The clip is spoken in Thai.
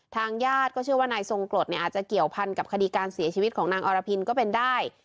ทางญาติก็เชื่อว่านายทรงกรดเนี่ยอาจจะเกี่ยวพันกับคดีการเสียชีวิตของนางอรพินก็เป็นได้